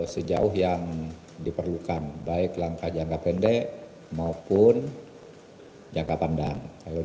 sejauh yang diperlukan baik langkah jangka pendek maupun langkah langkah yang diperlukan